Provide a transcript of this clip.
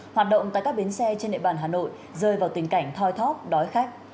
hoạt động tại các bến xe trên địa bàn hà nội rơi vào tình cảnh thoi thóp đói khách